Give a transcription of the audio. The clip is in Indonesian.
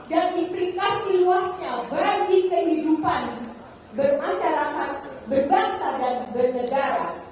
dan implikasi luasnya bagi kehidupan bermasyarakat berbangsa dan bernegara